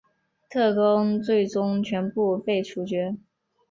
特工最终全部被处决。